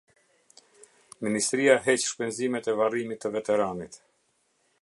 Ministria heq shpenzimet e varrimit të veteranit.